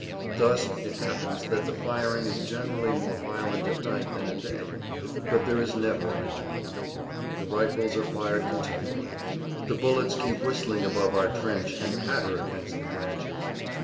Thus it happens that the firing is generally more violent at night than at day; but there is never an interval. The rifles are fired continually; the bullets keep whistling above our trench and patter against the branches.